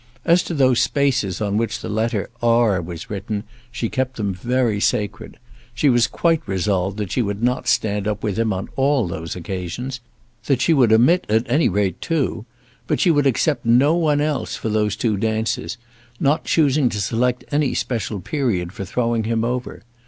As to those spaces on which the letter R was written, she kept them very sacred. She was quite resolved that she would not stand up with him on all those occasions, that she would omit at any rate two; but she would accept no one else for those two dances, not choosing to select any special period for throwing him over.